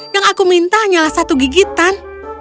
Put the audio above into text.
yang aku minta hanyalah satu gigitan